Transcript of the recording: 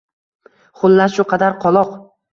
Xullas, shu qadar qoloq